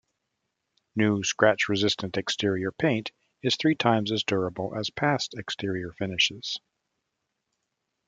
New scratch-resistant exterior paint is three times as durable as past exterior finishes.